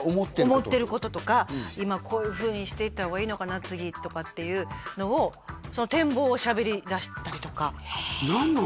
思ってることとか今こういうふうにしていった方がいいのかな次とかっていうのをその何なのかな？